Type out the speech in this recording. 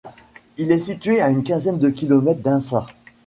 Il est situé à une quinzaine de kilomètres d'Ainsa.